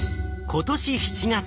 今年７月。